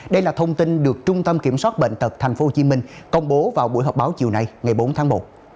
đây là thông tin được trung tâm kiểm soát bệnh tật tp hcm công bố vào buổi họp báo chiều nay ngày bốn tháng một